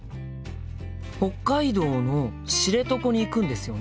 北海道の知床に行くんですよね？